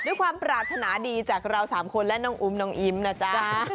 ด้วยความปรารถนาดีจากเรา๓คนและน้องอุ้มน้องอิ๊มนะจ๊ะ